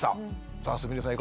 さあすみれさん